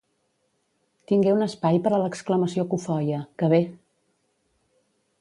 Tingué un espai per a l'exclamació cofoia: que bé!